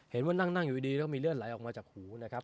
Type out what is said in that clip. เห็นว่านั่งอยู่ดีแล้วมีเลือดไหลออกมาจากหูนะครับ